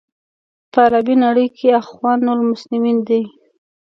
په عربي نړۍ کې اخوان المسلمین دي.